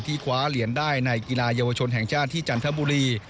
คว้าเหรียญได้ในกีฬาเยาวชนแห่งชาติที่จันทบุรี